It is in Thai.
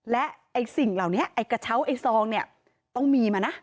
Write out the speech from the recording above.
และสิ่งเหล่านี้กระเช้าทรองต้องมีมานะ